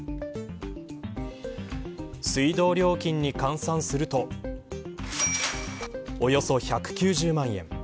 水道料金に換算するとおよそ１９０万円。